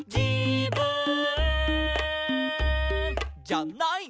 「じゃない」